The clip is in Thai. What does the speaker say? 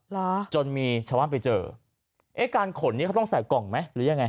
เหรอจนมีชาวบ้านไปเจอเอ๊ะการขนนี้เขาต้องใส่กล่องไหมหรือยังไง